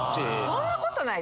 そんなことない。